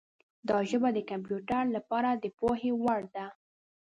دا ژبه د کمپیوټر لپاره د پوهې وړ ده.